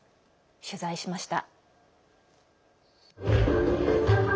取材しました。